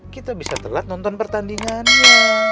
kita bisa telat nonton pertandingannya